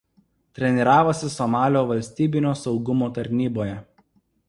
Treniravosi Somalio valstybinio saugumo tarnyboje.